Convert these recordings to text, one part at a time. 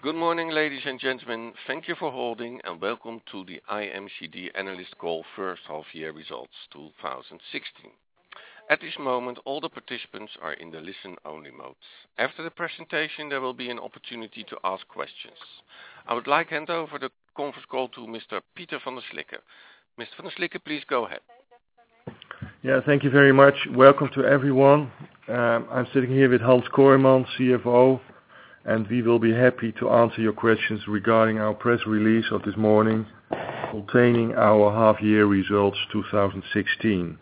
Good morning, ladies and gentlemen. Thank you for holding and welcome to the IMCD Analyst Call First Half Year Results 2016. At this moment, all the participants are in the listen only mode. After the presentation, there will be an opportunity to ask questions. I would like hand over the conference call to Mr. Pieter van der Slikke. Mr. Van der Slikke, please go ahead. Yeah, thank you very much. Welcome to everyone. I'm sitting here with Hans Kooijmans, CFO, and we will be happy to answer your questions regarding our press release of this morning containing our half year results 2016.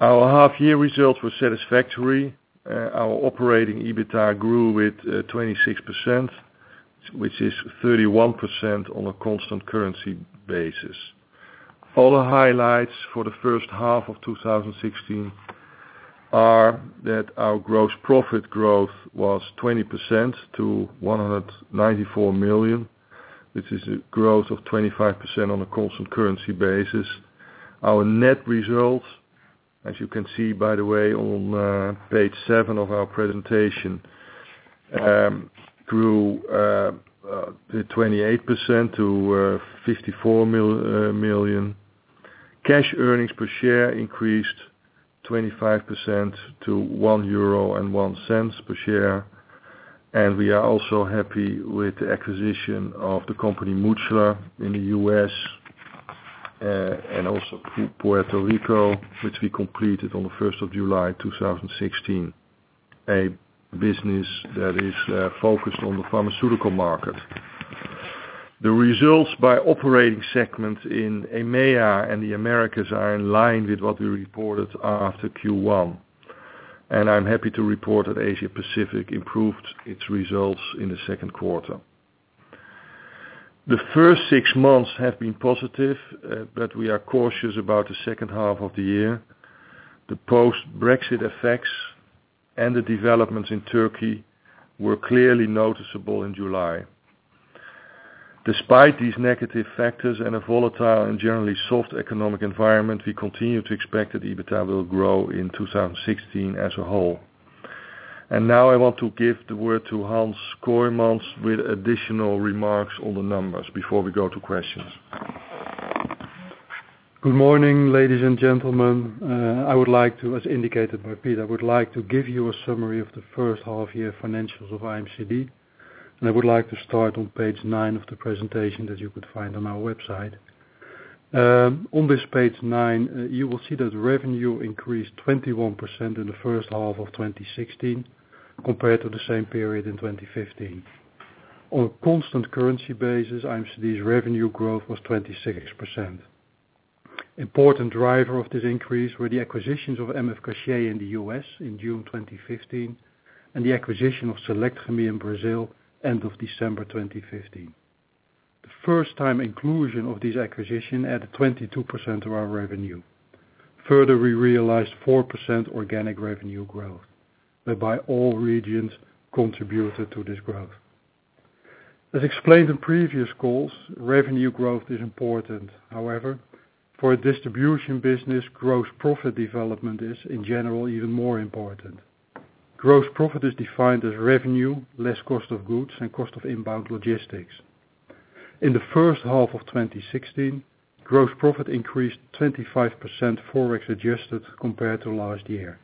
Our half year results were satisfactory. Our operating EBITDA grew with 26%, which is 31% on a constant currency basis. Other highlights for the first half of 2016 are that our gross profit growth was 20% to 194 million. This is a growth of 25% on a constant currency basis. Our net results, as you can see, by the way, on page seven of our presentation, grew 28% to 54 million. Cash earnings per share increased 25% to €1.01 per share. We are also happy with the acquisition of the company Mutchler in the U.S. and also Puerto Rico, which we completed on the 1st of July 2016, a business that is focused on the pharmaceutical market. The results by operating segments in EMEA and the Americas are in line with what we reported after Q1. I'm happy to report that Asia Pacific improved its results in the second quarter. The first six months have been positive, but we are cautious about the second half of the year. The post Brexit effects and the developments in Turkey were clearly noticeable in July. Despite these negative factors and a volatile and generally soft economic environment, we continue to expect that EBITDA will grow in 2016 as a whole. Now I want to give the word to Hans Kooijmans with additional remarks on the numbers before we go to questions. Good morning, ladies and gentlemen. As indicated by Pieter, I would like to give you a summary of the first half year financials of IMCD, I would like to start on page nine of the presentation that you could find on our website. On this page nine, you will see that revenue increased 21% in the first half of 2016 compared to the same period in 2015. On a constant currency basis, IMCD's revenue growth was 26%. Important driver of this increase were the acquisitions of MF Cachat in the U.S. in June 2015 and the acquisition of Selectchemie in Brazil end of December 2015. The first time inclusion of this acquisition added 22% to our revenue. Further, we realized 4% organic revenue growth, whereby all regions contributed to this growth. As explained in previous calls, revenue growth is important. However, for a distribution business, gross profit development is, in general, even more important. Gross profit is defined as revenue, less cost of goods and cost of inbound logistics. In the first half of 2016, gross profit increased 25% ForEx-adjusted compared to last year.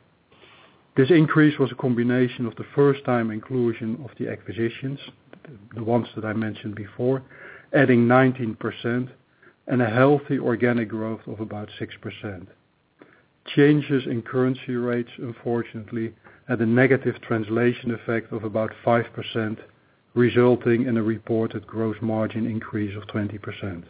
This increase was a combination of the first time inclusion of the acquisitions, the ones that I mentioned before, adding 19% and a healthy organic growth of about 6%. Changes in currency rates, unfortunately, had a negative translation effect of about 5%, resulting in a reported gross margin increase of 20%.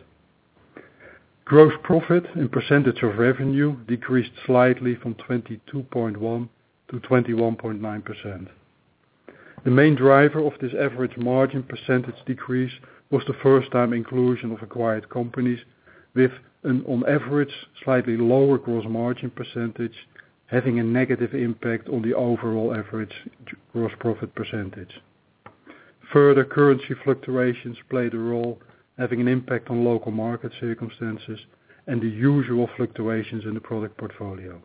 Gross profit and percentage of revenue decreased slightly from 22.1% to 21.9%. The main driver of this average margin percentage decrease was the first time inclusion of acquired companies with an, on average, slightly lower gross margin percentage, having a negative impact on the overall average gross profit percentage. Further currency fluctuations played a role, having an impact on local market circumstances and the usual fluctuations in the product portfolio.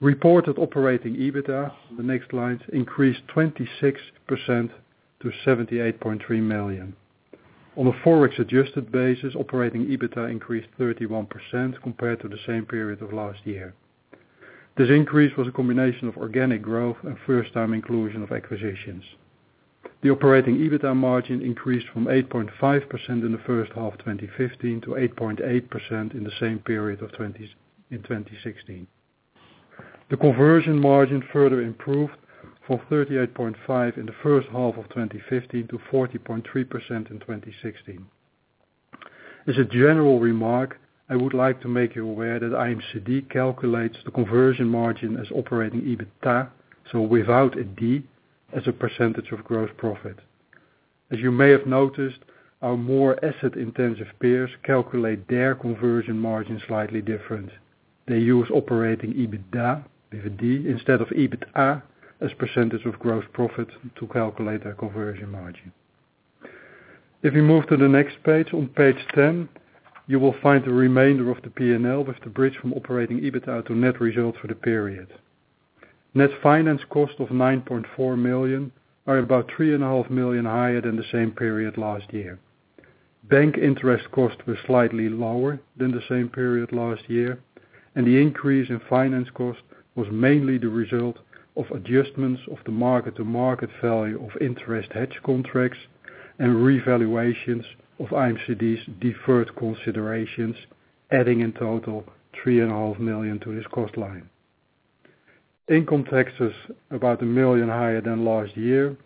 Reported operating EBITDA, the next lines, increased 26% to 78.3 million. On a ForEx-adjusted basis, operating EBITDA increased 31% compared to the same period of last year. This increase was a combination of organic growth and first time inclusion of acquisitions. The operating EBITDA margin increased from 8.5% in the first half 2015 to 8.8% in the same period in 2016. The conversion margin further improved from 38.5% in the first half of 2015 to 40.3% in 2016. As a general remark, I would like to make you aware that IMCD calculates the conversion margin as operating EBITDA, so without a D, as a percentage of gross profit. As you may have noticed, our more asset intensive peers calculate their conversion margin slightly different. They use operating EBITDA, with a D, instead of EBITA as percentage of gross profit to calculate their conversion margin. If you move to the next page, on page 10, you will find the remainder of the P&L with the bridge from operating EBITDA to net results for the period. Net finance cost of 9.4 million are about 3.5 million higher than the same period last year. Bank interest costs were slightly lower than the same period last year, and the increase in finance cost was mainly the result of adjustments of the market-to-market value of interest hedge contracts and revaluations of IMCD's deferred considerations, adding in total 3.5 million to this cost line. Income tax is about 1 million higher than last year.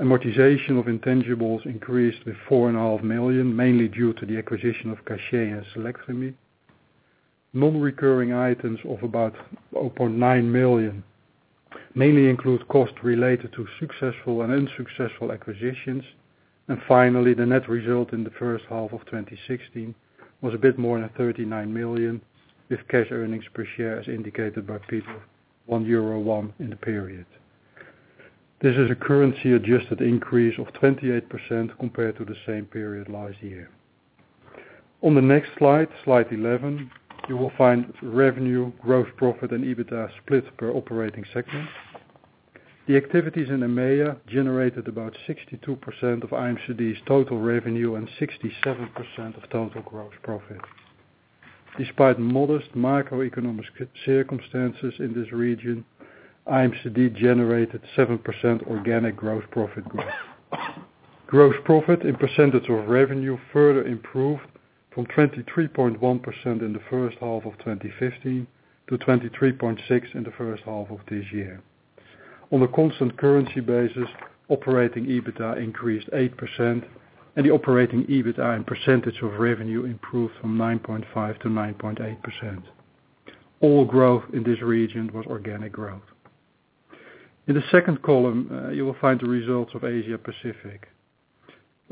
Amortization of intangibles increased with 4.5 million, mainly due to the acquisition of Cachat and Selectchemie. Non-recurring items of about 0.9 million mainly include costs related to successful and unsuccessful acquisitions. Finally, the net result in the first half of 2016 was a bit more than 39 million, with cash earnings per share as indicated by Peter, 1.01 in the period. This is a currency-adjusted increase of 28% compared to the same period last year. On the next slide 11, you will find revenue, gross profit, and EBITDA split per operating segment. The activities in EMEIA generated about 62% of IMCD's total revenue and 67% of total gross profit. Despite modest macroeconomic circumstances in this region, IMCD generated 7% organic gross profit growth. Gross profit and percentage of revenue further improved from 23.1% in the first half of 2015 to 23.6% in the first half of this year. On a constant currency basis, operating EBITDA increased 8%, and the operating EBITDA and percentage of revenue improved from 9.5% to 9.8%. All growth in this region was organic growth. In the second column, you will find the results of Asia Pacific.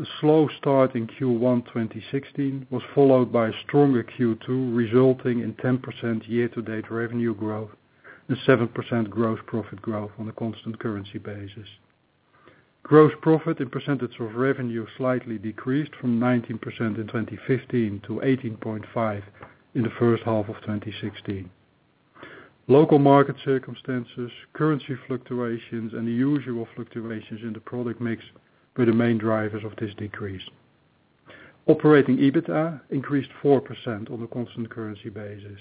A slow start in Q1 2016 was followed by a stronger Q2, resulting in 10% year-to-date revenue growth and 7% gross profit growth on a constant currency basis. Gross profit and percentage of revenue slightly decreased from 19% in 2015 to 18.5% in the first half of 2016. Local market circumstances, currency fluctuations, and the usual fluctuations in the product mix were the main drivers of this decrease. Operating EBITDA increased 4% on a constant currency basis.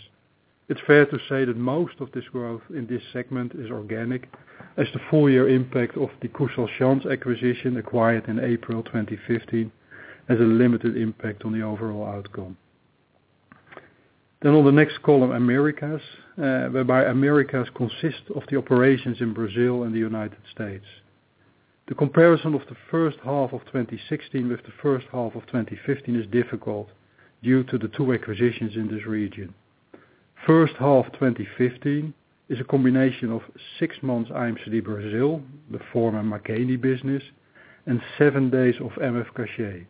It's fair to say that most of this growth in this segment is organic, as the full-year impact of the Kushalchand Sons acquisition acquired in April 2015 has a limited impact on the overall outcome. On the next column, Americas, whereby Americas consists of the operations in Brazil and the U.S. The comparison of the first half of 2016 with the first half of 2015 is difficult due to the two acquisitions in this region. First half 2015 is a combination of six months IMCD Brazil, the former Makeni Chemicals business, and seven days of MF Cachat.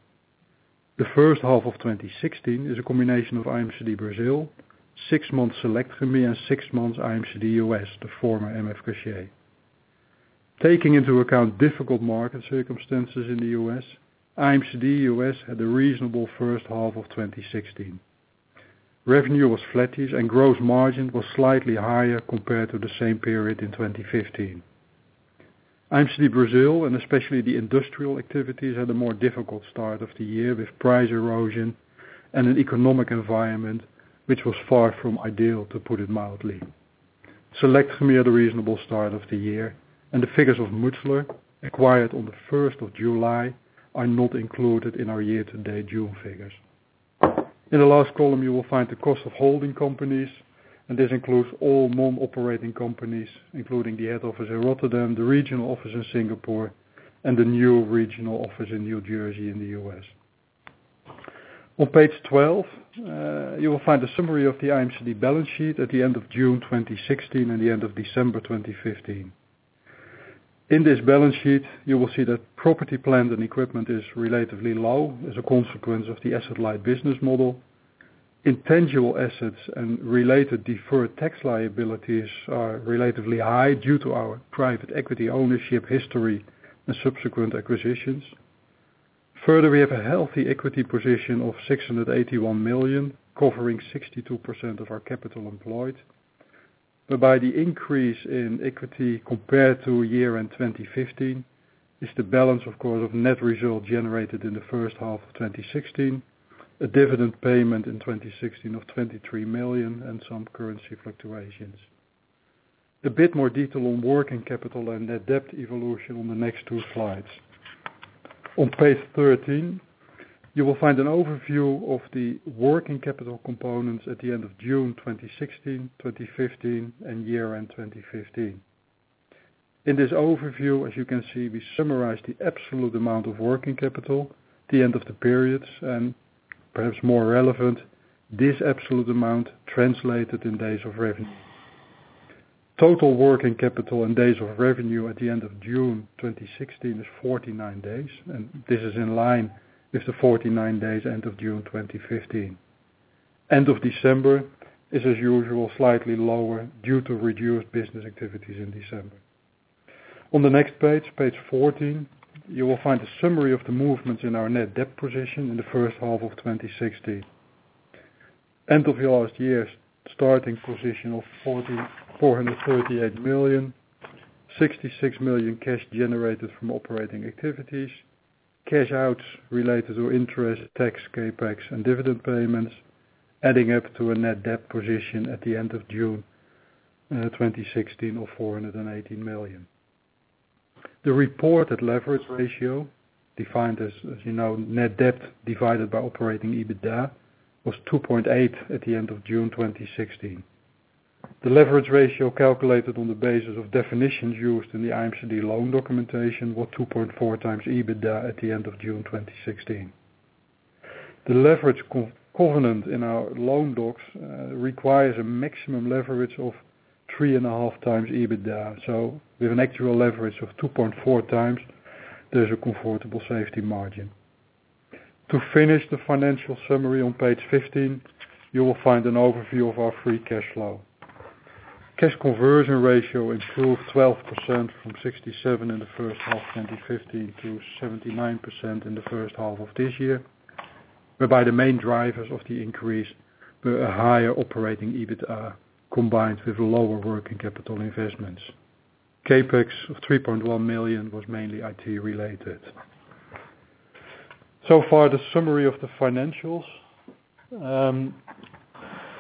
The first half of 2016 is a combination of IMCD Brazil, six months Selectchemie, and six months IMCD US, the former MF Cachat. Taking into account difficult market circumstances in the U.S., IMCD US had a reasonable first half of 2016. Revenue was flattish, and gross margin was slightly higher compared to the same period in 2015. IMCD Brazil, and especially the industrial activities, had a more difficult start of the year, with price erosion and an economic environment which was far from ideal, to put it mildly. Selectchemie had a reasonable start of the year, and the figures of Mutchler, acquired on the 1st of July, are not included in our year-to-date June figures. In the last column, you will find the cost of holding companies, and this includes all non-operating companies, including the head office in Rotterdam, the regional office in Singapore, and the new regional office in New Jersey in the U.S. On page 12, you will find a summary of the IMCD balance sheet at the end of June 2016 and the end of December 2015. In this balance sheet, you will see that property, plant, and equipment is relatively low as a consequence of the asset-light business model. Intangible assets and related deferred tax liabilities are relatively high due to our private equity ownership history and subsequent acquisitions. Further, we have a healthy equity position of 681 million, covering 62% of our capital employed. But by the increase in equity compared to year-end 2015 is the balance, of course, of net result generated in the first half of 2016, a dividend payment in 2016 of 23 million, and some currency fluctuations. A bit more detail on working capital and net debt evolution on the next two slides. On page 13, you will find an overview of the working capital components at the end of June 2016, 2015, and year-end 2015. In this overview, as you can see, we summarize the absolute amount of working capital, the end of the periods, and perhaps more relevant, this absolute amount translated in days of revenue. Total working capital and days of revenue at the end of June 2016 is 49 days, and this is in line with the 49 days end of June 2015. End of December is, as usual, slightly lower due to reduced business activities in December. On the next page 14, you will find a summary of the movements in our net debt position in the first half of 2016. End of last year's starting position of 438 million, 66 million cash generated from operating activities, cash outs related to interest, tax, CapEx, and dividend payments, adding up to a net debt position at the end of June 2016 of 418 million. The reported leverage ratio, defined as net debt divided by operating EBITDA, was 2.8 at the end of June 2016. The leverage ratio calculated on the basis of definitions used in the IMCD loan documentation was 2.4 times EBITDA at the end of June 2016. The leverage covenant in our loan docs requires a maximum leverage of 3.5 times EBITDA. We have an actual leverage of 2.4 times. There's a comfortable safety margin. To finish the financial summary on page 15, you will find an overview of our free cash flow. cash conversion ratio improved 12% from 67% in the first half 2015 to 79% in the first half of this year, whereby the main drivers of the increase were a higher operating EBITDA combined with lower working capital investments. CapEx of 3.1 million was mainly IT related. So far, the summary of the financials.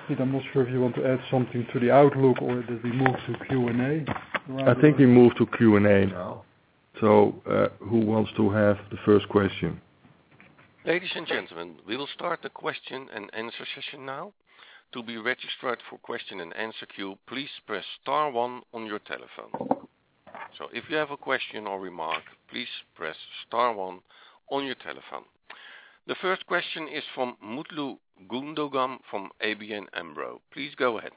Piet, I'm not sure if you want to add something to the outlook or did we move to Q&A? I think we move to Q&A now. Who wants to have the first question? Ladies and gentlemen, we will start the question and answer session now. To be registered for question and answer queue, please press star one on your telephone. If you have a question or remark, please press star one on your telephone. The first question is from Mutlu Gundogan from ABN AMRO. Please go ahead.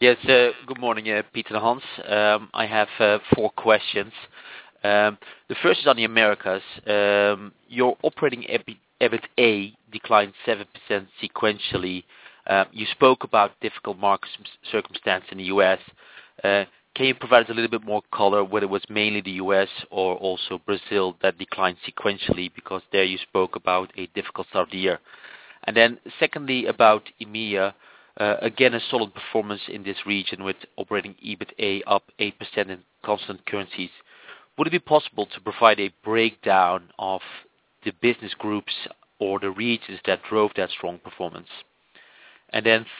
Yes. Good morning, Piet and Hans. I have four questions. The first is on the Americas. Your operating EBITDA declined 7% sequentially. You spoke about difficult market circumstance in the U.S. Can you provide a little bit more color, whether it was mainly the U.S. or also Brazil that declined sequentially because there you spoke about a difficult start of the year. Secondly, about EMEA, again, a solid performance in this region with operating EBITDA up 8% in constant currencies. Would it be possible to provide a breakdown of the business groups or the regions that drove that strong performance?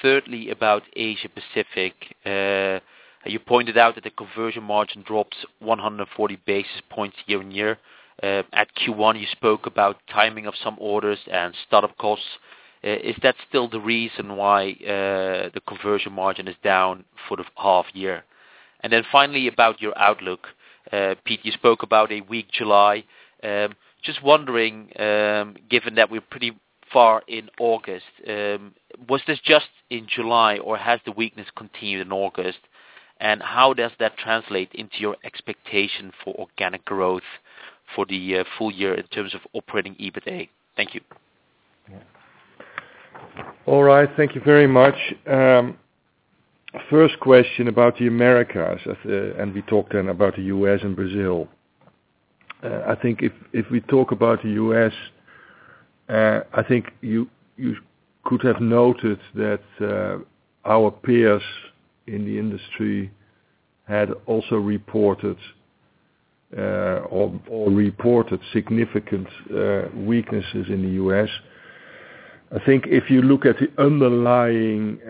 Thirdly, about Asia Pacific. You pointed out that the conversion margin drops 140 basis points year-on-year. At Q1, you spoke about timing of some orders and start-up costs. Is that still the reason why the conversion margin is down for the half year? Finally, about your outlook. Piet, you spoke about a weak July. Just wondering, given that we're pretty far in August, was this just in July, or has the weakness continued in August? How does that translate into your expectation for organic growth for the full year in terms of operating EBITDA? Thank you. All right. Thank you very much. First question about the Americas. We talked then about the U.S. and Brazil. I think if we talk about the U.S., I think you could have noted that our peers in the industry had also reported significant weaknesses in the U.S. I think if you look at the underlying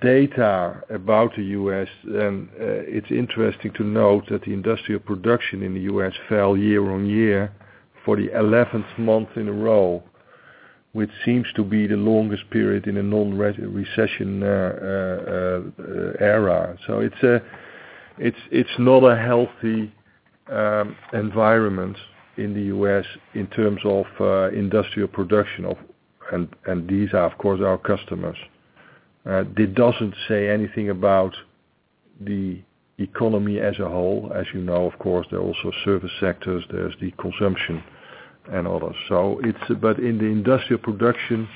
data about the U.S., it's interesting to note that the industrial production in the U.S. fell year-on-year for the 11th month in a row, which seems to be the longest period in a non-recession era. It's not a healthy environment in the U.S. in terms of industrial production, and these are, of course, our customers. That doesn't say anything about the economy as a whole. As you know, of course, there are also service sectors, there's the consumption, and others. In the industrial production,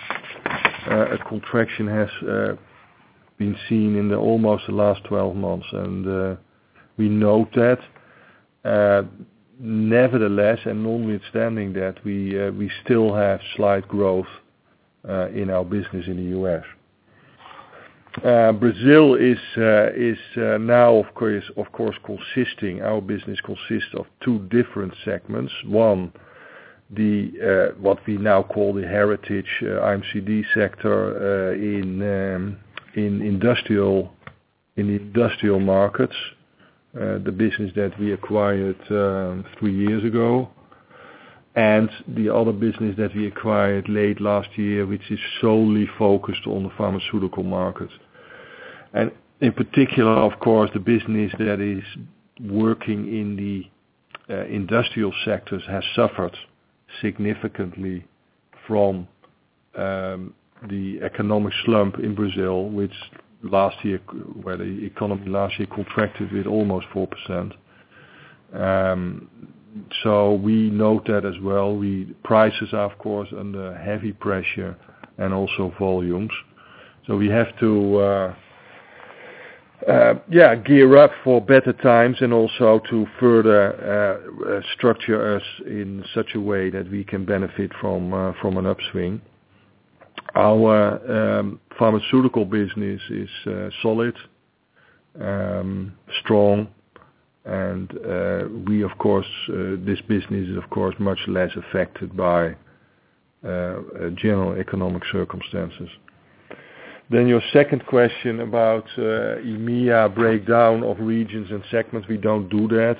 a contraction has been seen in almost the last 12 months, and we note that. Nevertheless, notwithstanding that, we still have slight growth in our business in the U.S. Brazil is now, of course, our business consists of two different segments. One, what we now call the heritage IMCD sector in industrial markets, the business that we acquired three years ago, and the other business that we acquired late last year, which is solely focused on the pharmaceutical market. In particular, of course, the business that is working in the industrial sectors has suffered significantly from the economic slump in Brazil, where the economy last year contracted with almost 4%. We note that as well. Prices are, of course, under heavy pressure and also volumes. We have to gear up for better times and also to further structure us in such a way that we can benefit from an upswing. Our pharmaceutical business is solid, strong, and this business is of course, much less affected by general economic circumstances. Your second question about EMEIA breakdown of regions and segments. We don't do that.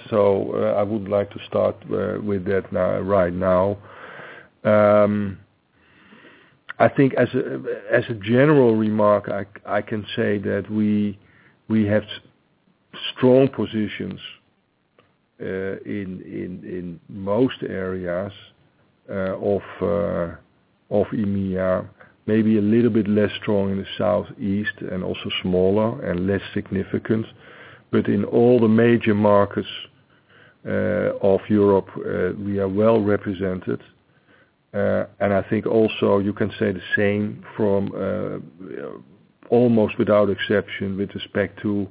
I would like to start with that right now. I think as a general remark, I can say that we have strong positions in most areas of EMEIA, maybe a little bit less strong in the southeast and also smaller and less significant. In all the major markets of Europe, we are well represented. I think also you can say the same from almost without exception with respect to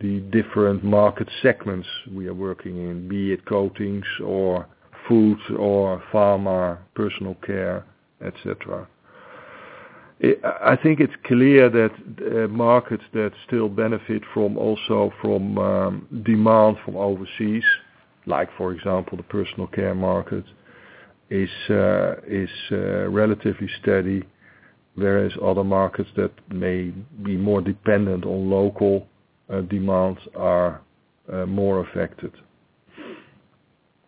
the different market segments we are working in, be it coatings or foods or pharma, personal care, et cetera. I think it's clear that markets that still benefit from demand from overseas, like for example, the personal care market, is relatively steady. Whereas other markets that may be more dependent on local demands are more affected.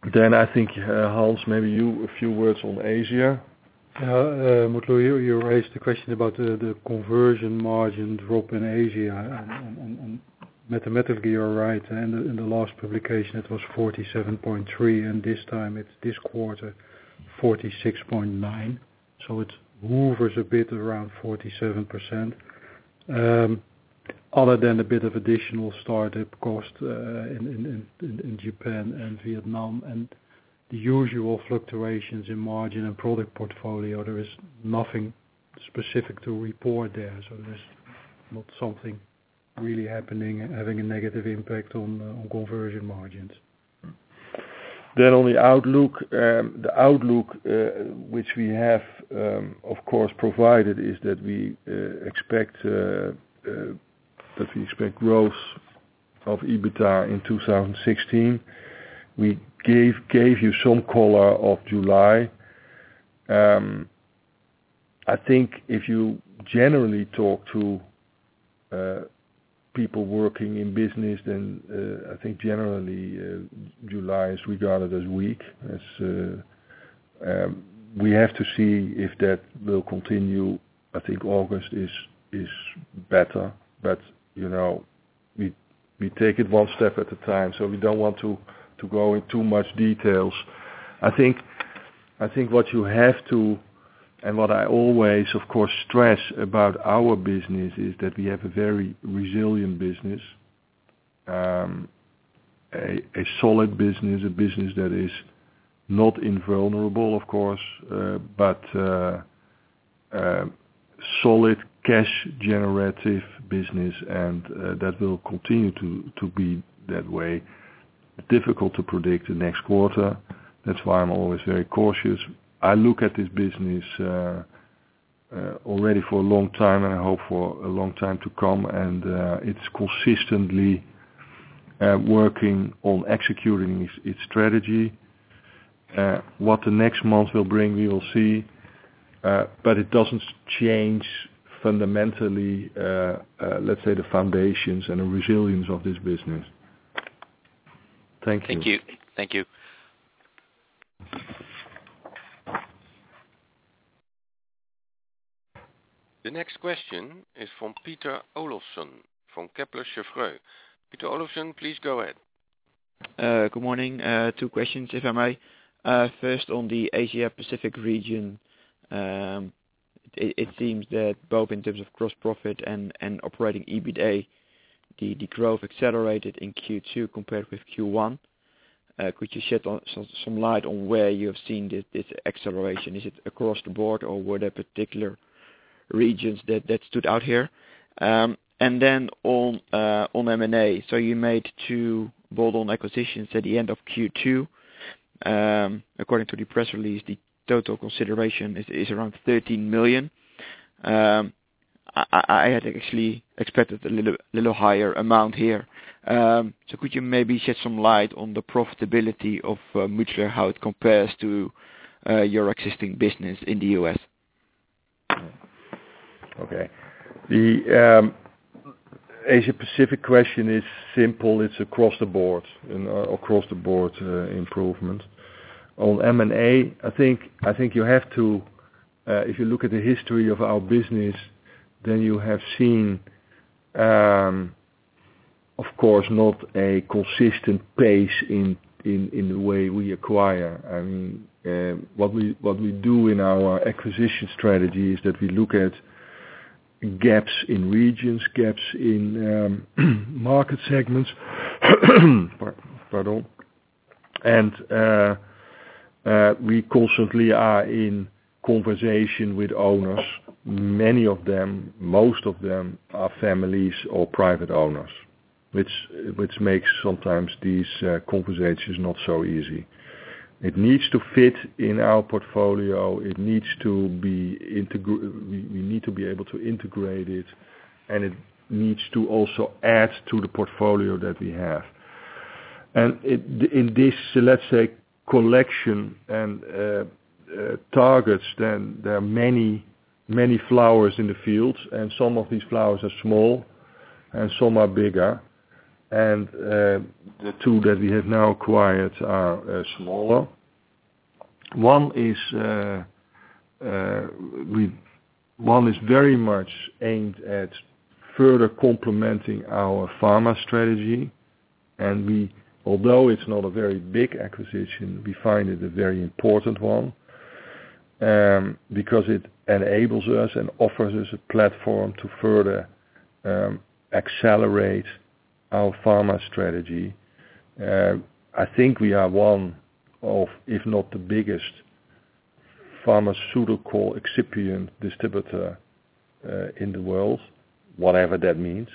I think, Hans, maybe you, a few words on Asia. Mutlu, you raised the question about the conversion margin drop in Asia, and mathematically you're right. In the last publication it was 47.3, and this time, it's this quarter, 46.9. It hovers a bit around 47%. Other than a bit of additional startup cost in Japan and Vietnam and the usual fluctuations in margin and product portfolio, there is nothing specific to report there. There's not something really happening, having a negative impact on conversion margins. On the outlook. The outlook which we have, of course, provided is that we expect growth of EBITDA in 2016. We gave you some color of July. I think if you generally talk to people working in business, I think generally July is regarded as weak. We have to see if that will continue. I think August is better. We take it one step at a time. We don't want to go in too much details. I think what you have to, and what I always, of course, stress about our business is that we have a very resilient business. A solid business, a business that is not invulnerable of course. A solid cash generative business and that will continue to be that way. Difficult to predict the next quarter. That's why I'm always very cautious. I look at this business already for a long time and I hope for a long time to come. It's consistently working on executing its strategy. What the next month will bring, we will see. It doesn't change fundamentally, let's say, the foundations and the resilience of this business. Thank you. Thank you. The next question is from Peter Olofsen from Kepler Cheuvreux. Peter Olofsen, please go ahead. Good morning. Two questions if I may. First, on the Asia Pacific region. It seems that both in terms of gross profit and operating EBITDA, the growth accelerated in Q2 compared with Q1. Could you shed some light on where you have seen this acceleration? Is it across the board or were there particular regions that stood out here? Then on M&A. You made two bolt-on acquisitions at the end of Q2. According to the press release, the total consideration is around 13 million. I had actually expected a little higher amount here. Could you maybe shed some light on the profitability of Mutchler, how it compares to your existing business in the U.S.? Okay. The Asia Pacific question is simple. It is across the board improvement. On M&A, I think you have to, if you look at the history of our business, then you have seen, of course, not a consistent pace in the way we acquire. What we do in our acquisition strategy is that we look at gaps in regions, gaps in market segments. Pardon. We constantly are in conversation with owners. Many of them, most of them are families or private owners, which makes sometimes these conversations not so easy. It needs to fit in our portfolio. We need to be able to integrate it, and it needs to also add to the portfolio that we have. In this, let's say, collection and targets, there are many flowers in the fields, and some of these flowers are small and some are bigger. The two that we have now acquired are smaller. One is very much aimed at further complementing our pharma strategy, and although it is not a very big acquisition, we find it a very important one, because it enables us and offers us a platform to further accelerate our pharma strategy. I think we are one of, if not the biggest pharmaceutical excipient distributor in the world, whatever that means.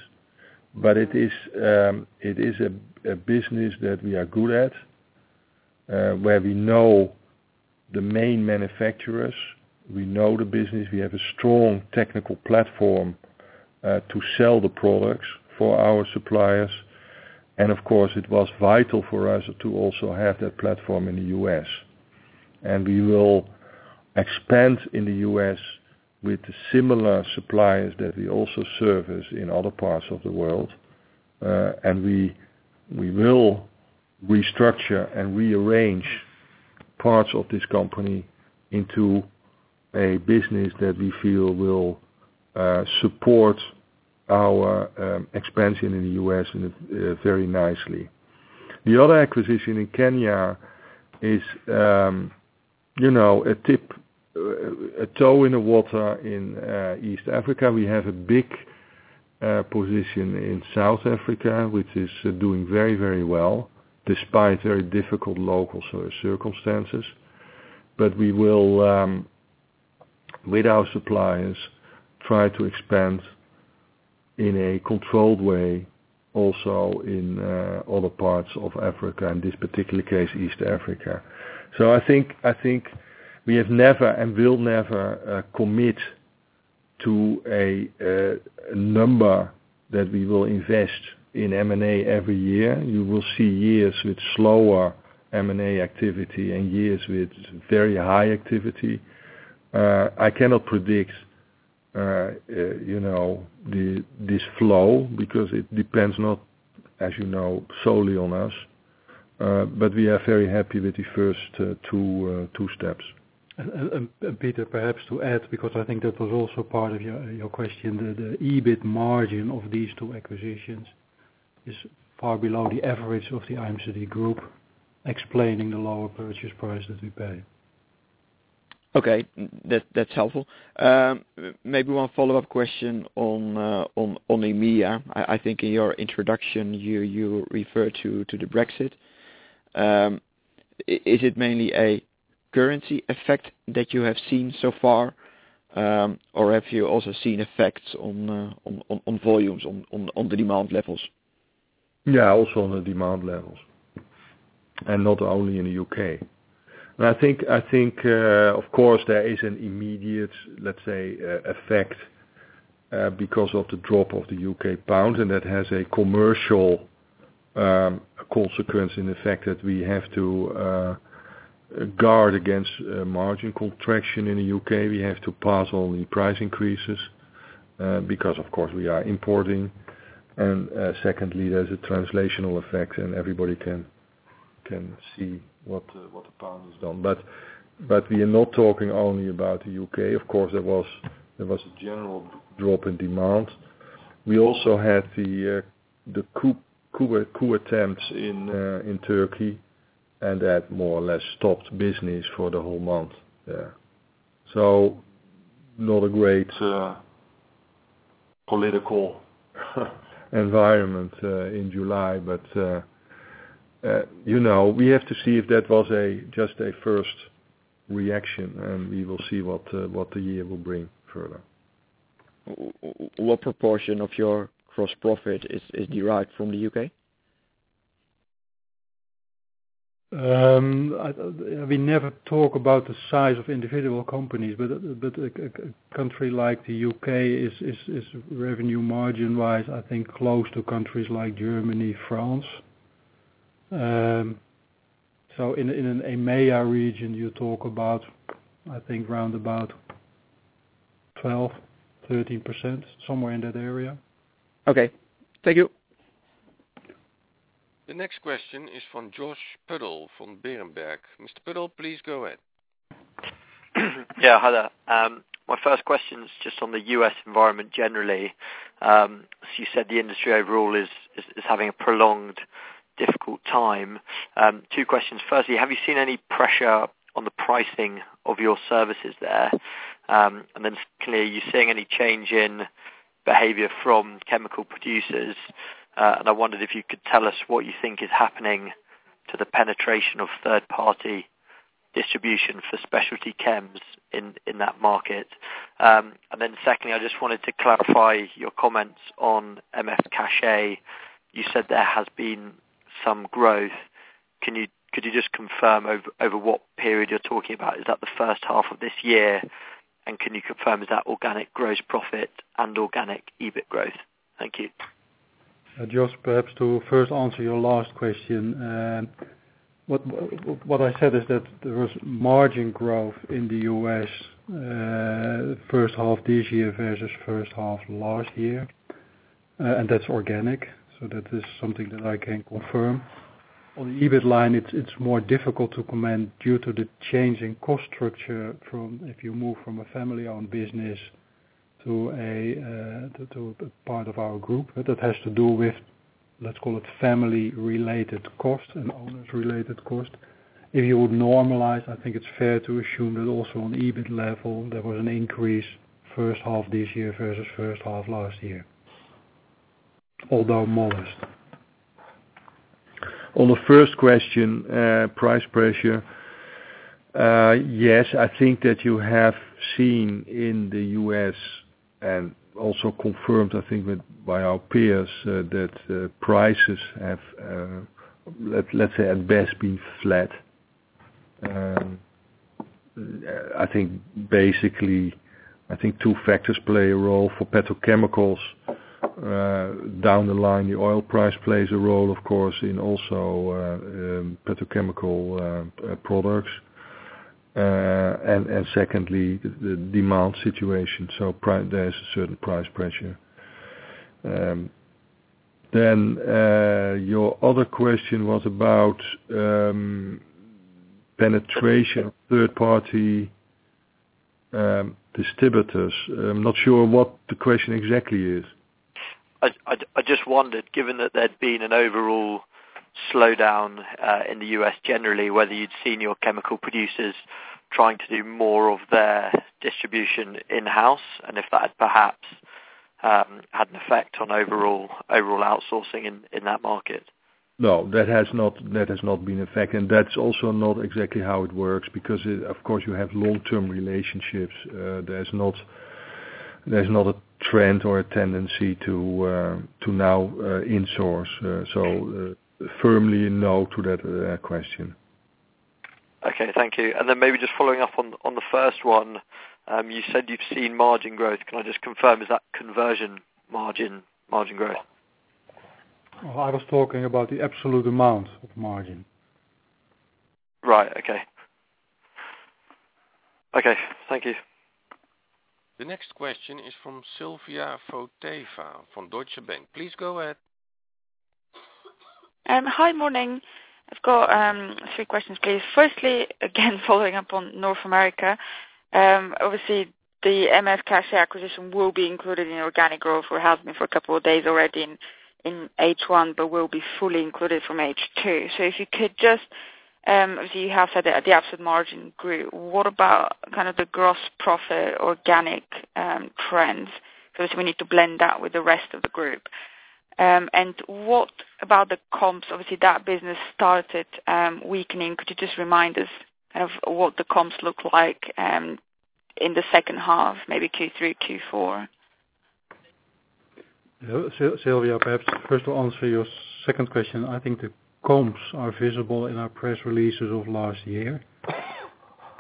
But it is a business that we are good at, where we know the main manufacturers, we know the business, we have a strong technical platform to sell the products for our suppliers. Of course, it was vital for us to also have that platform in the U.S. We will expand in the U.S. with the similar suppliers that we also service in other parts of the world. We will restructure and rearrange parts of this company into a business that we feel will support our expansion in the U.S. very nicely. The other acquisition in Kenya is a toe in the water in East Africa. We have a big position in South Africa, which is doing very well despite very difficult local circumstances. We will, with our suppliers, try to expand in a controlled way also in other parts of Africa, in this particular case, East Africa. I think we have never and will never commit to a number that we will invest in M&A every year. You will see years with slower M&A activity and years with very high activity. I cannot predict this flow because it depends not, as you know, solely on us. We are very happy with the first two steps. Peter, perhaps to add, because I think that was also part of your question, that the EBIT margin of these two acquisitions is far below the average of the IMCD Group, explaining the lower purchase price that we pay. Okay. That's helpful. Maybe one follow-up question on EMEIA. I think in your introduction you referred to the Brexit. Is it mainly a currency effect that you have seen so far, or have you also seen effects on volumes, on the demand levels? Yeah, also on the demand levels, and not only in the U.K. I think, of course, there is an immediate, let's say, effect because of the drop of the U.K. pound, and that has a commercial consequence in the fact that we have to guard against margin contraction in the U.K. We have to pass on the price increases because, of course, we are importing. Secondly, there's a translational effect and everybody can see what the pound has done. We are not talking only about the U.K. Of course, there was a general drop in demand. We also had the coup attempts in Turkey and that more or less stopped business for the whole month there. Not a great political environment in July, but we have to see if that was just a first reaction, and we will see what the year will bring further. What proportion of your gross profit is derived from the U.K.? We never talk about the size of individual companies, but a country like the U.K. is revenue margin-wise, I think close to countries like Germany, France. In EMEIA region, you talk about, I think roundabout 12%-13%, somewhere in that area. Okay. Thank you. The next question is from Josh Puddle from Berenberg. Mr. Puddle, please go ahead. Hi there. My first question is just on the U.S. environment generally. As you said, the industry overall is having a prolonged difficult time. Two questions. First, have you seen any pressure on the pricing of your services there? Second, are you seeing any change in behavior from chemical producers? I wondered if you could tell us what you think is happening to the penetration of third-party distribution for specialty chems in that market. Second, I just wanted to clarify your comments on MF Cachat. You said there has been some growth. Could you just confirm over what period you're talking about? Is that the first half of this year? Can you confirm, is that organic gross profit and organic EBIT growth? Thank you. Josh, perhaps to first answer your last question. What I said is that there was margin growth in the U.S. first half this year versus first half last year. That's organic. That is something that I can confirm. On the EBIT line, it's more difficult to comment due to the change in cost structure from if you move from a family-owned business to a part of our group. That has to do with, let's call it, family-related cost and owners-related cost. If you would normalize, I think it's fair to assume that also on EBIT level, there was an increase first half this year versus first half last year. Although modest. On the first question, price pressure. Yes, I think that you have seen in the U.S., and also confirmed, I think, by our peers, that prices have, let's say at best, been flat. I think two factors play a role for petrochemicals. Down the line, the oil price plays a role, of course, in also petrochemical end products. Secondly, the demand situation. There is a certain price pressure. Your other question was about penetration of third-party distributors. I'm not sure what the question exactly is. I just wondered, given that there'd been an overall slowdown in the U.S. generally, whether you'd seen your chemical producers trying to do more of their distribution in-house, and if that had perhaps had an effect on overall outsourcing in that market. No, that has not been affected. That's also not exactly how it works, because, of course, you have long-term relationships. There's not a trend or a tendency to now insource. Firmly no to that question. Okay, thank you. Maybe just following up on the first one, you said you've seen margin growth. Can I just confirm, is that conversion margin growth? No. I was talking about the absolute amount of margin. Right. Okay. Okay. Thank you. The next question is from Sylvia Votava from Deutsche Bank. Please go ahead. Hi, morning. I've got three questions, please. Firstly, again, following up on North America. Obviously, the MF Cachat acquisition will be included in organic growth or has been for a couple of days already in H1, but will be fully included from H2. Obviously, you have said that the absolute margin grew. What about kind of the gross profit organic trends? First, we need to blend that with the rest of the group. What about the comps? Obviously, that business started weakening. Could you just remind us of what the comps look like in the second half, maybe Q3, Q4? Sylvia, perhaps first I'll answer your second question. I think the comps are visible in our press releases of last year.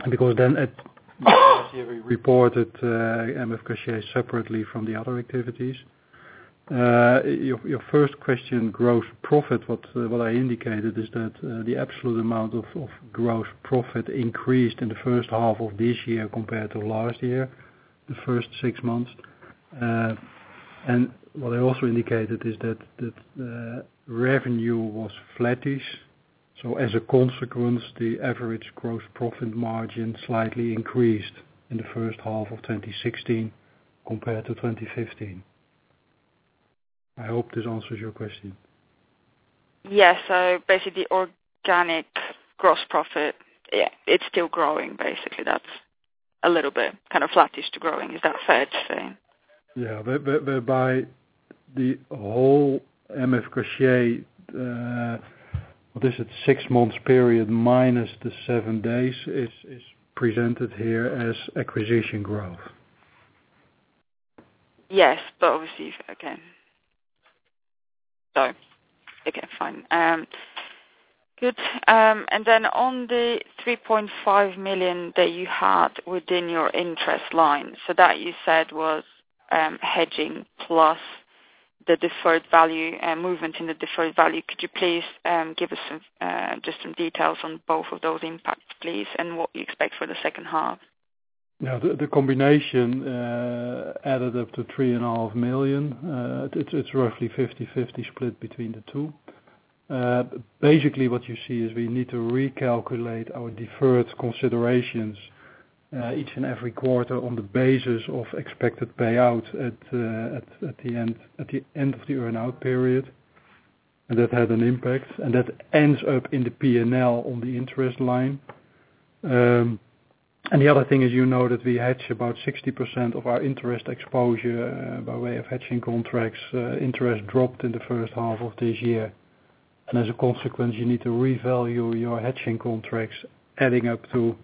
We reported MF Cachat separately from the other activities. Your first question, gross profit. What I indicated is that the absolute amount of gross profit increased in the first half of this year compared to last year, the first six months. What I also indicated is that revenue was flattish. As a consequence, the average gross profit margin slightly increased in the first half of 2016 compared to 2015. I hope this answers your question. Yeah. Basically, organic gross profit. Yeah, it's still growing, basically. That's a little bit kind of flattish to growing. Is that fair to say? Yeah. Whereby the whole MF Cachat, what is it, six months period minus the seven days, is presented here as acquisition growth. Yes. Obviously, okay. Okay, fine. Good. On the 3.5 million that you had within your interest line, that you said was hedging plus the movement in the deferred value. Could you please give us just some details on both of those impacts, please, and what you expect for the second half? Yeah. The combination added up to 3.5 million. It's roughly 50/50 split between the two. Basically, what you see is we need to recalculate our deferred considerations each and every quarter on the basis of expected payout at the end of the earn-out period. That had an impact, and that ends up in the P&L on the interest line. The other thing is, you know that we hedge about 60% of our interest exposure by way of hedging contracts. Interest dropped in the first half of this year. As a consequence, you need to revalue your hedging contracts, adding up to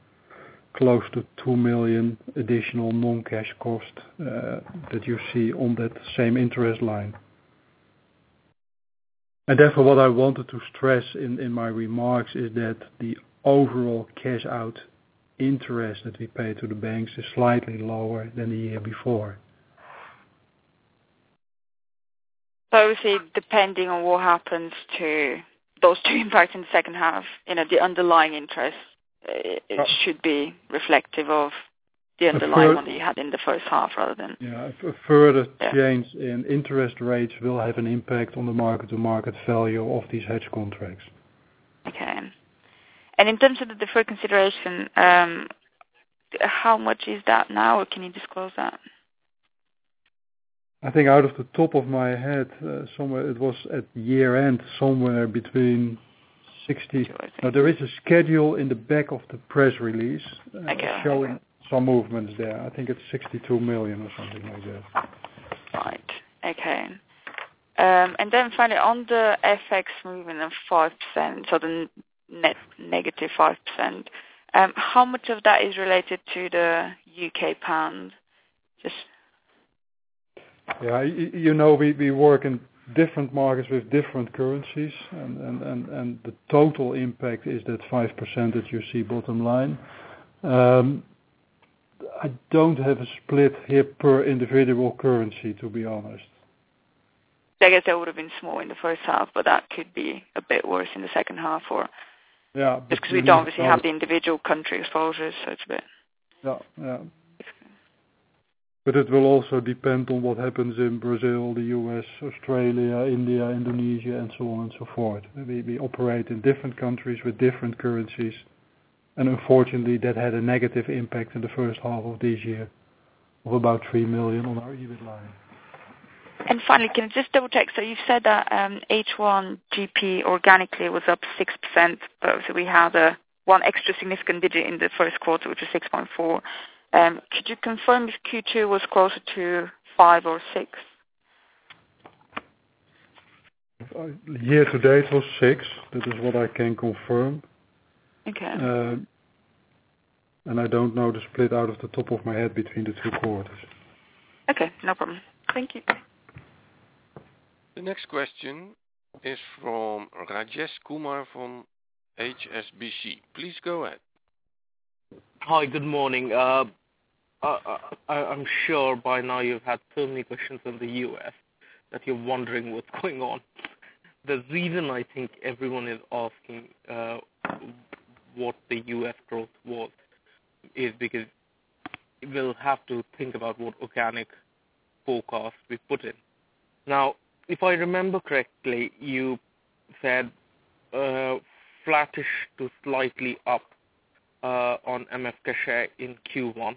close to 2 million additional non-cash cost, that you see on that same interest line. Therefore, what I wanted to stress in my remarks is that the overall cash out interest that we pay to the banks is slightly lower than the year before. Is it depending on what happens to those two impacts in the second half, the underlying interest, it should be reflective of the underlying one that you had in the first half? Yeah. A further change in interest rates will have an impact on the mark-to-market value of these hedge contracts. Okay. In terms of the deferred consideration, how much is that now? Can you disclose that? I think out of the top of my head, it was at year-end, somewhere between 60. There is a schedule in the back of the press release. Okay Showing some movements there. I think it's 62 million or something like that. Right. Okay. Finally on the FX movement of 5%, so the net negative 5%, how much of that is related to the U.K. pound? Yeah. You know we work in different markets with different currencies and the total impact is that 5% that you see bottom line. I don't have a split here per individual currency, to be honest. I guess that would've been small in the first half, but that could be a bit worse in the second half. Yeah just because we don't obviously have the individual country exposures. It will also depend on what happens in Brazil, the U.S., Australia, India, Indonesia, and so on and so forth. We operate in different countries with different currencies, unfortunately, that had a negative impact in the first half of this year of about 3 million on our EBIT line. Finally, can I just double check? You said that H1 GP organically was up 6%, but obviously we had one extra significant digit in the first quarter, which was 6.4. Could you confirm if Q2 was closer to five or six? Year to date was six. That is what I can confirm. Okay. I don't know the split out of the top of my head between the two quarters. Okay, no problem. Thank you. The next question is from Rajesh Kumar from HSBC. Please go ahead. Hi. Good morning. I'm sure by now you've had so many questions on the U.S. that you're wondering what's going on. The reason I think everyone is asking, what the U.S. growth was is because we'll have to think about what organic forecast we put in. Now, if I remember correctly, you said flattish to slightly up on MF Cachat in Q1,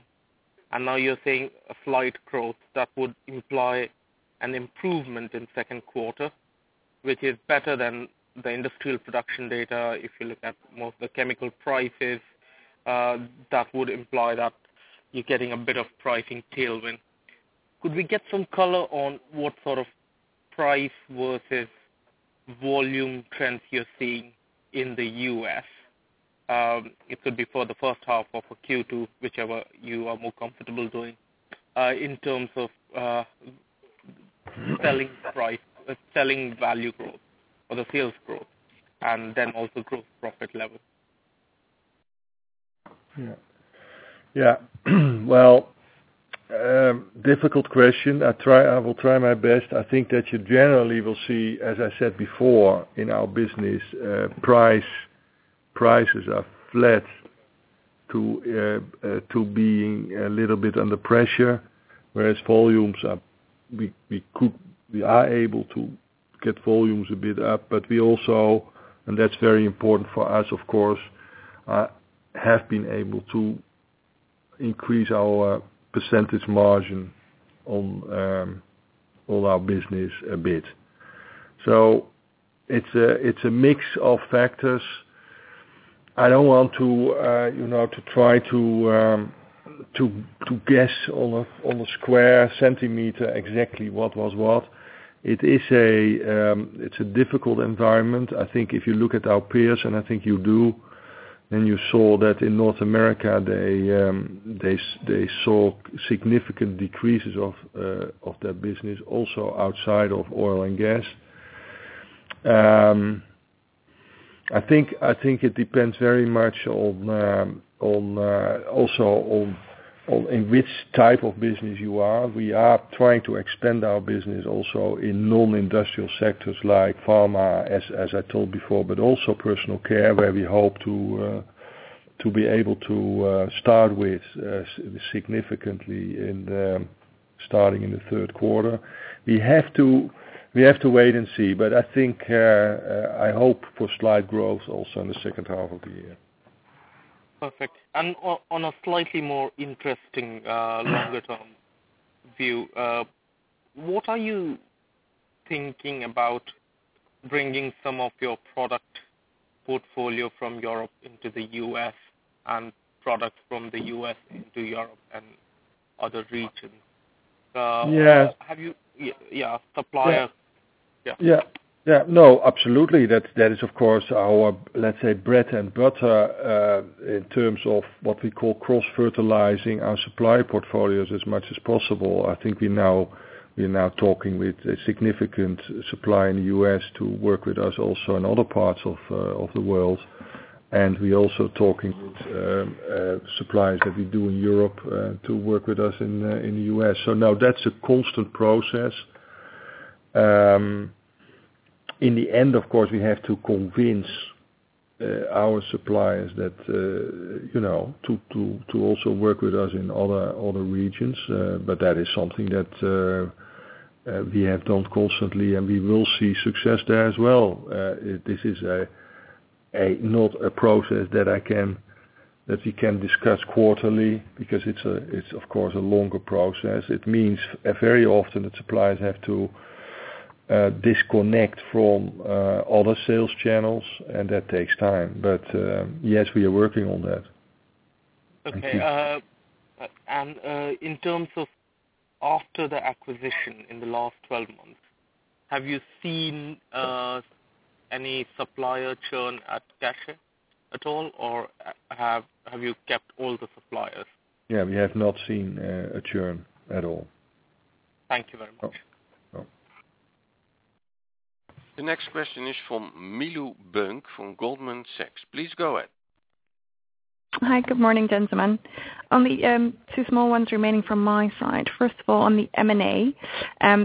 and now you're saying a slight growth that would imply an improvement in second quarter, which is better than the industrial production data. If you look at most of the chemical prices, that would imply that you're getting a bit of pricing tailwind. Could we get some color on what sort of price versus volume trends you're seeing in the U.S.? It could be for the first half of Q2, whichever you are more comfortable doing, in terms of selling value growth or the sales growth, and then also gross profit levels. Yeah. Well, difficult question. I will try my best. I think that you generally will see, as I said before, in our business, prices are flat to being a little bit under pressure, whereas volumes. We are able to get volumes a bit up, but we also, and that's very important for us, of course, have been able to increase our percentage margin on all our business a bit. It's a mix of factors. I don't want to try to guess on a square centimeter exactly what was what. It's a difficult environment. I think if you look at our peers, and I think you do, You saw that in North America, they saw significant decreases of their business also outside of oil and gas. I think it depends very much also on in which type of business you are. We are trying to expand our business also in non-industrial sectors like pharma, as I told before, but also personal care, where we hope to be able to start with significantly in the Starting in the third quarter. We have to wait and see. I hope for slight growth also in the second half of the year. Perfect. On a slightly more interesting longer-term view, what are you thinking about bringing some of your product portfolio from Europe into the U.S. and products from the U.S. into Europe and other regions? Yes. Have you Yeah. Supplier. Yeah. No, absolutely. That is, of course, our, let's say, bread and butter, in terms of what we call cross-fertilizing our supply portfolios as much as possible. I think we're now talking with a significant supplier in the U.S. to work with us also in other parts of the world. We're also talking with suppliers that we do in Europe, to work with us in the U.S. Now that's a constant process. In the end, of course, we have to convince our suppliers to also work with us in other regions. That is something that we have done constantly, and we will see success there as well. This is not a process that we can discuss quarterly because it's, of course, a longer process. It means very often that suppliers have to disconnect from other sales channels, and that takes time. Yes, we are working on that. Okay. In terms of after the acquisition in the last 12 months, have you seen any supplier churn at Cachat at all, or have you kept all the suppliers? Yeah, we have not seen a churn at all. Thank you very much. You're welcome. The next question is from Milou Buunk from Goldman Sachs. Please go ahead. Hi. Good morning, gentlemen. Only two small ones remaining from my side. First of all, on the M&A,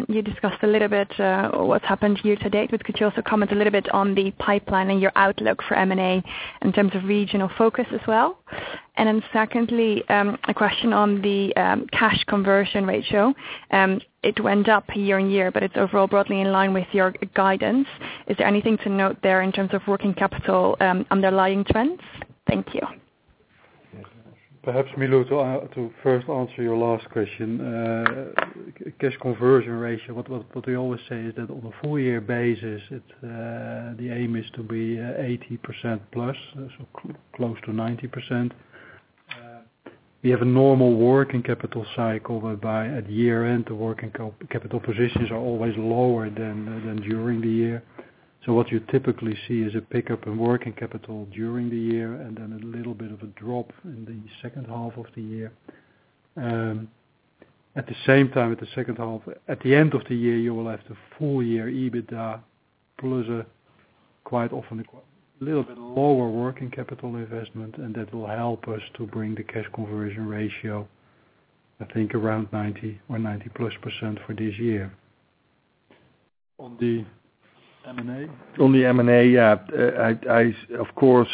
you discussed a little bit, what's happened year to date, but could you also comment a little bit on the pipeline and your outlook for M&A in terms of regional focus as well? Secondly, a question on the cash conversion ratio. It went up year-on-year, but it's overall broadly in line with your guidance. Is there anything to note there in terms of working capital, underlying trends? Thank you. Yes. Perhaps, Milou, to first answer your last question. Cash conversion ratio, what we always say is that on a full year basis, the aim is to be 80% plus, so close to 90%. We have a normal working capital cycle whereby at year-end, the working capital positions are always lower than during the year. What you typically see is a pickup in working capital during the year and then a little bit of a drop in the second half of the year. At the same time, at the end of the year, you will have the full year EBITDA plus a quite often a little bit lower working capital investment, that will help us to bring the cash conversion ratio, I think, around 90% or 90% plus for this year. On the M&A. I, of course,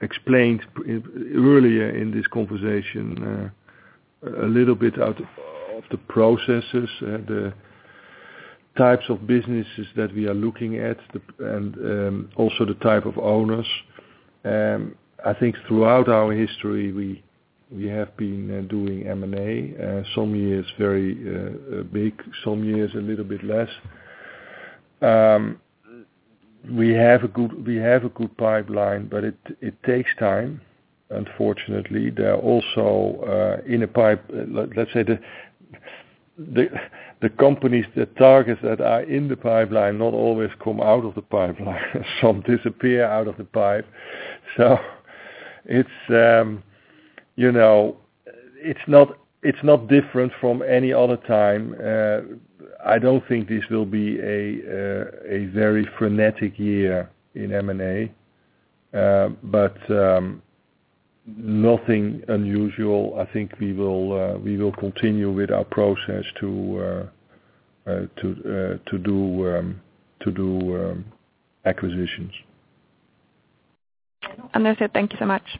explained earlier in this conversation a little bit out of the processes, the types of businesses that we are looking at and also the type of owners. I think throughout our history, we have been doing M&A. Some years very big, some years a little bit less. We have a good pipeline, but it takes time, unfortunately. The companies, the targets that are in the pipeline not always come out of the pipeline. Some disappear out of the pipe. It's not different from any other time. I don't think this will be a very frenetic year in M&A. Nothing unusual. I think we will continue with our process to do acquisitions. That's it. Thank you so much.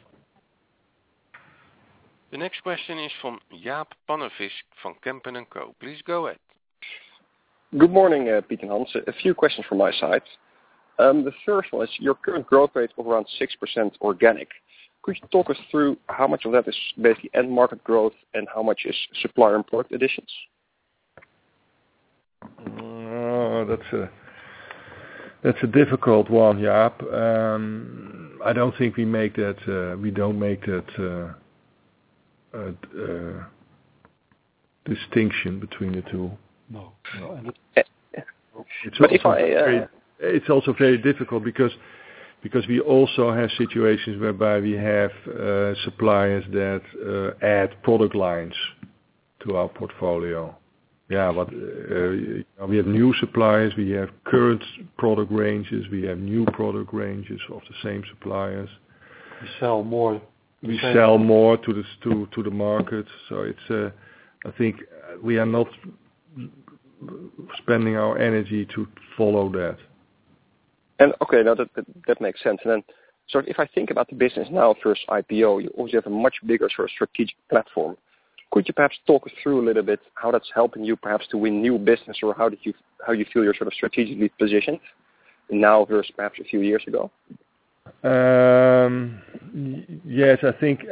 The next question is from Jaap Pannevis from Kempen & Co. Please go ahead. Good morning, Piet and Hans. A few questions from my side. The first one is your current growth rate of around 6% organic. Could you talk us through how much of that is basically end market growth and how much is supplier input additions? That's a difficult one, Jaap. I don't think we make that distinction between the two. No. But if I- It's also very difficult because we also have situations whereby we have suppliers that add product lines to our portfolio. We have new suppliers, we have current product ranges, we have new product ranges of the same suppliers. We sell more. We sell more to the markets. I think we are not spending our energy to follow that. Okay. That makes sense. If I think about the business now versus IPO, you obviously have a much bigger strategic platform. Could you perhaps talk us through a little bit how that's helping you perhaps to win new business, or how you feel you're strategically positioned now versus perhaps a few years ago? Yes, I think,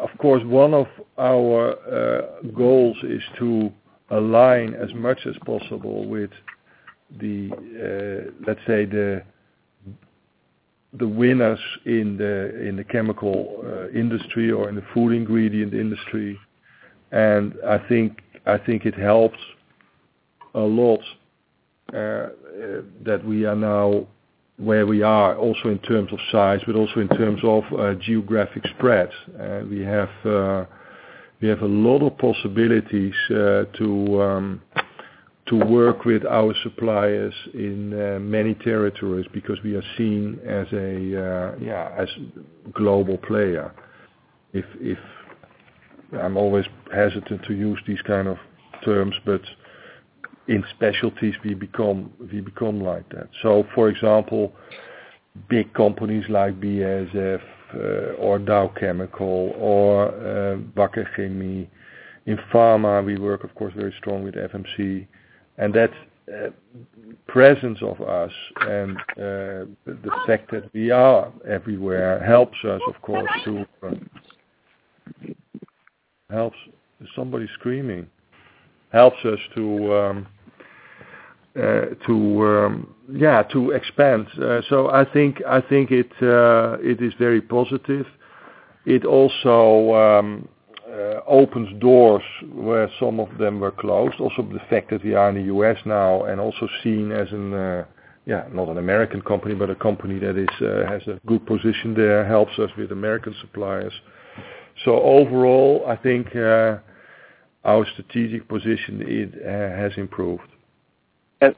of course, one of our goals is to align as much as possible with, let's say, the winners in the chemical industry or in the food ingredient industry. I think it helps a lot that we are now where we are, also in terms of size, but also in terms of geographic spread. We have a lot of possibilities to work with our suppliers in many territories because we are seen as a global player. I'm always hesitant to use these kind of terms, but in specialties, we become like that. For example, big companies like BASF or Dow Chemical or Evonik. In pharma, we work of course very strong with FMC. That presence of us and the fact that we are everywhere helps us, of course, to expand. I think it is very positive. It also opens doors where some of them were closed. Also, the fact that we are in the U.S. now and also seen as, not an American company, but a company that has a good position there, helps us with American suppliers. Overall, I think our strategic position has improved. Do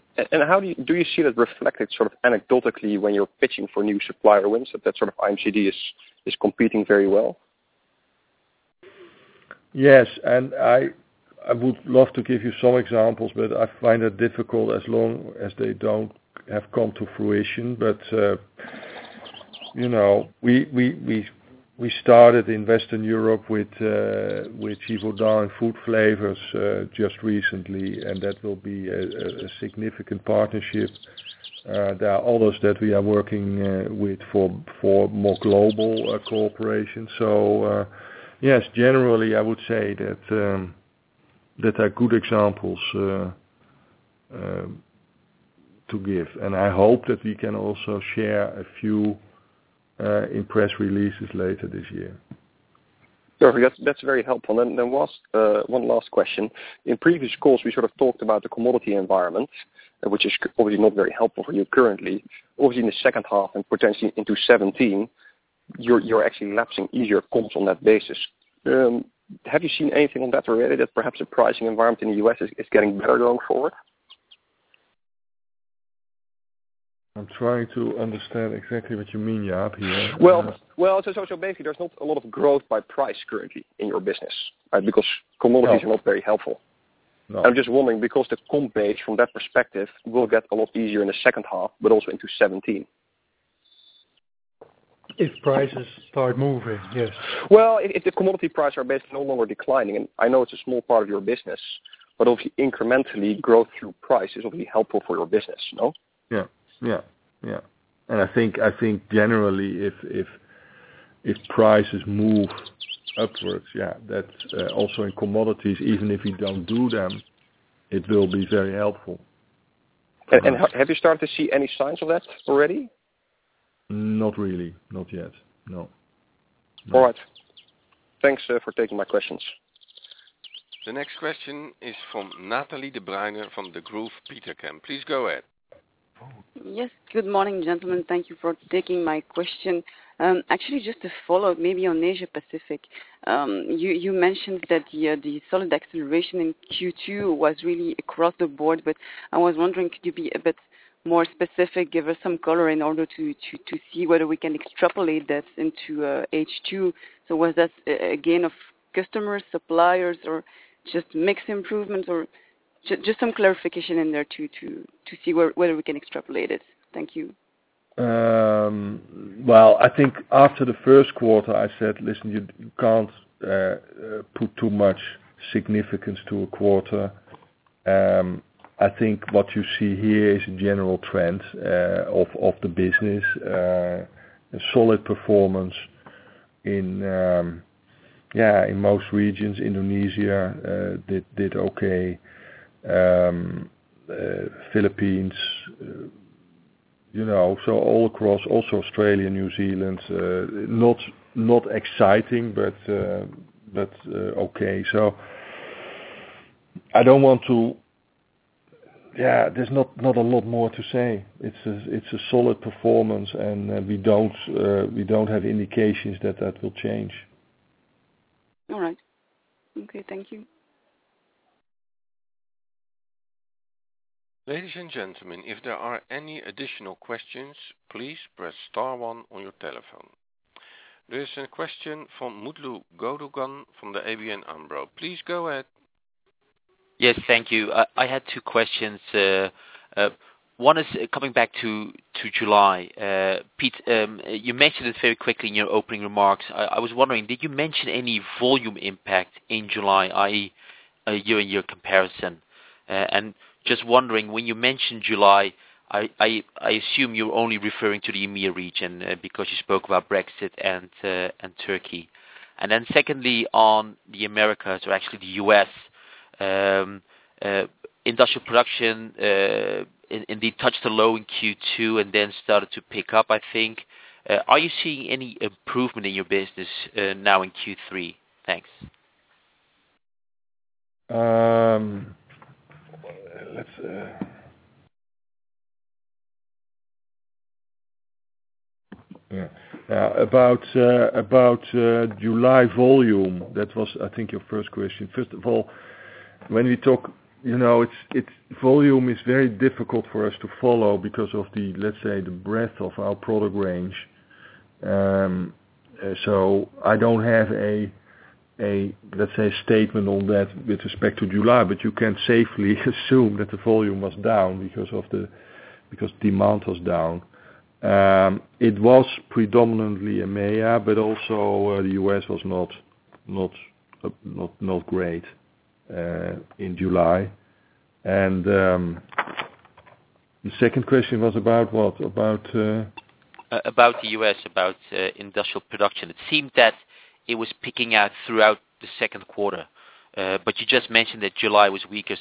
you see that reflected anecdotally when you're pitching for new supplier wins, that IMCD is competing very well? Yes. I would love to give you some examples, but I find it difficult as long as they don't have come to fruition. We started invest in Europe with Givaudan Food Flavors just recently, and that will be a significant partnership. There are others that we are working with for more global cooperation. Yes, generally, I would say that are good examples to give, and I hope that we can also share a few in press releases later this year. Perfect. That's very helpful. One last question. In previous calls, we talked about the commodity environment, which is probably not very helpful for you currently. Obviously, in the second half and potentially into 2017, you're actually lapsing easier comps on that basis. Have you seen anything on that already that perhaps the pricing environment in the U.S. is getting better going forward? I'm trying to understand exactly what you mean, Jaap, here. Basically, there's not a lot of growth by price currently in your business, right? Because commodities are not very helpful. No. I'm just wondering because the comp base from that perspective will get a lot easier in the second half but also into 2017. If prices start moving, yes. Well, if the commodity prices are basically no longer declining, and I know it's a small part of your business, but obviously incrementally growth through price is going to be helpful for your business, no? Yeah. I think generally if prices move upwards, yeah, that's also in commodities, even if we don't do them, it will be very helpful. Have you started to see any signs of that already? Not really. Not yet. No. All right. Thanks for taking my questions. The next question is from Nathalie Debruyne from Degroof Petercam. Please go ahead. Yes. Good morning, gentlemen. Thank you for taking my question. Actually, just to follow up, maybe on Asia Pacific. You mentioned that the solid acceleration in Q2 was really across the board, but I was wondering, could you be a bit more specific, give us some color in order to see whether we can extrapolate that into H2? Was that a gain of customers, suppliers, or just mix improvements? Just some clarification in there to see whether we can extrapolate it. Thank you. Well, I think after the first quarter, I said, "Listen, you can't put too much significance to a quarter." I think what you see here is a general trend of the business. A solid performance in most regions. Indonesia did okay. Philippines. All across. Also Australia, New Zealand. Not exciting, but okay. There's not a lot more to say. It's a solid performance, and we don't have indications that that will change. All right. Okay. Thank you. Ladies and gentlemen, if there are any additional questions, please press star one on your telephone. There's a question from Mutlu Gundogan from the ABN AMRO. Please go ahead. Yes, thank you. I had two questions. One is coming back to July. Piet, you mentioned it very quickly in your opening remarks. I was wondering, did you mention any volume impact in July, i.e., year-on-year comparison? Just wondering, when you mention July, I assume you're only referring to the EMEIA region, because you spoke about Brexit and Turkey. Then secondly, on the Americas or actually the U.S., industrial production indeed touched a low in Q2 and then started to pick up, I think. Are you seeing any improvement in your business now in Q3? Thanks. About July volume. That was, I think, your first question. First of all, volume is very difficult for us to follow because of, let's say, the breadth of our product range. I don't have, let's say, a statement on that with respect to July, but you can safely assume that the volume was down because demand was down. It was predominantly EMEIA, also the U.S. was not great in July. The second question was about what? About the U.S., about industrial production. It seemed that it was picking up throughout the second quarter. You just mentioned that July was weaker.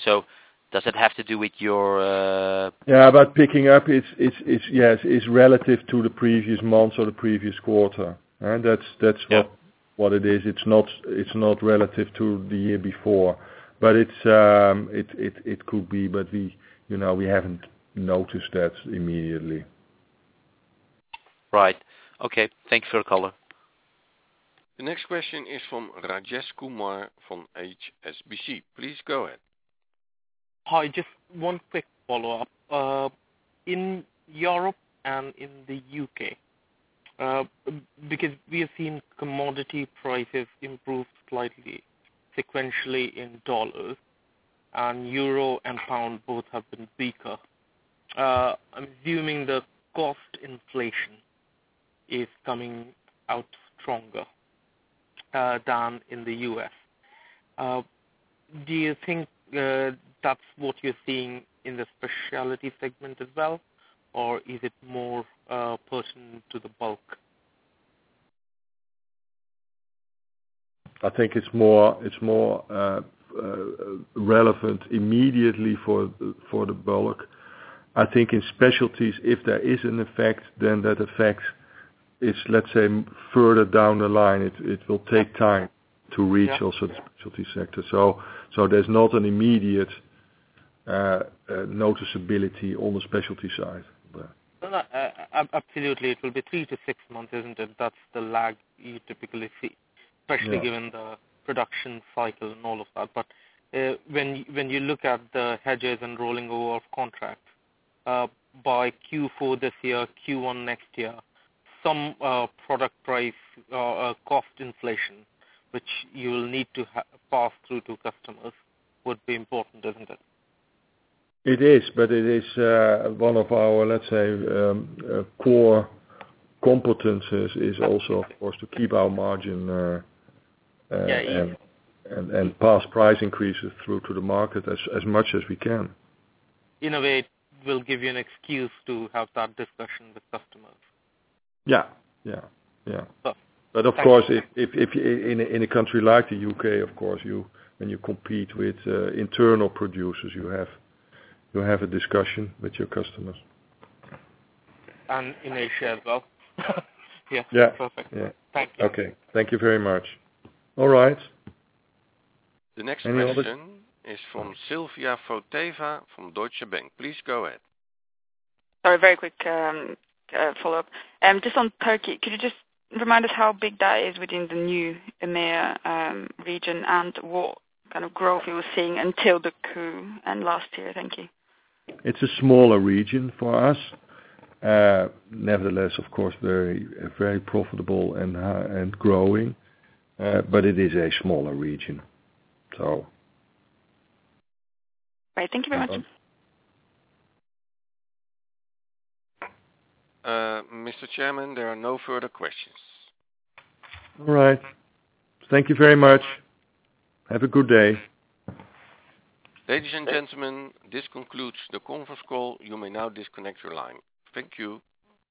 Does it have to do with your- Yeah, about picking up, it's relative to the previous months or the previous quarter. Yeah. That's what it is. It's not relative to the year before. It could be, but we haven't noticed that immediately. Right. Okay. Thank you for the call. The next question is from Rajesh Kumar from HSBC. Please go ahead. Hi. Just one quick follow-up. In Europe and in the U.K., because we have seen commodity prices improve slightly sequentially in USD, and EUR and GBP both have been weaker. I'm assuming the cost inflation is coming out stronger than in the U.S. Do you think that's what you're seeing in the specialty segment as well? Or is it more pertinent to the bulk? I think it's more relevant immediately for the bulk. I think in specialties, if there is an effect, then that effect is, let's say, further down the line. It will take time to reach also the specialty sector. There's not an immediate noticeability on the specialty side. Absolutely. It will be 3 to 6 months, isn't it? That's the lag you typically see, especially given the production cycle and all of that. When you look at the hedges and rolling over of contracts, by Q4 this year, Q1 next year, some product price cost inflation, which you will need to pass through to customers, would be important, isn't it? It is one of our, let's say, core competencies is also, of course, to keep our margin- Yeah Pass price increases through to the market as much as we can. In a way, it will give you an excuse to have that discussion with customers. Yeah. Cool. Of course, in a country like the U.K., of course, when you compete with internal producers, you have a discussion with your customers. In Asia as well. Yeah. Perfect. Thank you. Okay. Thank you very much. All right. The next question is from Silvia Frateva from Deutsche Bank. Please go ahead. Sorry, very quick follow-up. Just on Turkey, could you just remind us how big that is within the new EMEIA region and what kind of growth you were seeing until the coup and last year? Thank you. It's a smaller region for us. Nevertheless, of course, very profitable and growing, but it is a smaller region. Right. Thank you very much. No problem. Mr. Chairman, there are no further questions. All right. Thank you very much. Have a good day. Ladies and gentlemen, this concludes the conference call. You may now disconnect your line. Thank you.